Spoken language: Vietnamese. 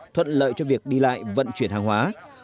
thuận lợi cho việc đi lại vận chuyển hàng hóa